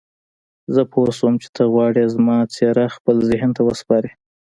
زه پوه شوم چې ته غواړې زما څېره خپل ذهن ته وسپارې.